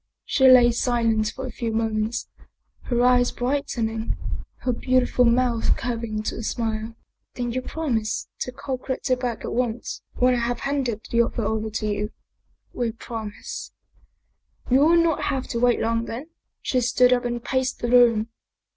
She lay silent for a few moments ; her eyes brightening, her beautiful mouth curving to a smile. " Then you prom ise to call Gritti back at once, when I have handed the other over to you ?"" We promise." " You will not have to wait long then." She stood up and paced the room.